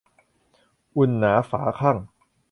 อุ่นหนาฝาคั่ง